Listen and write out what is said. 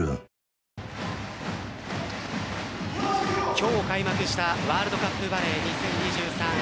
今日開幕したワールドカップバレー２０２３。